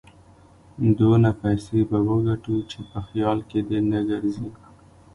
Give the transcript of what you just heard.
دونه پيسې به وګټو چې په خيال کې دې نه ګرځي.